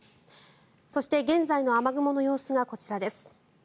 そして、現在の雨雲の様子がこちらです。